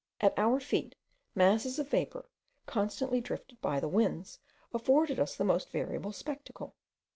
At our feet, masses of vapour, constantly drifted by the winds, afforded us the most variable spectacle.